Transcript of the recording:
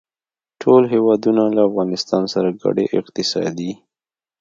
ټول هېوادونه له افغانستان سره ګډې اقتصادي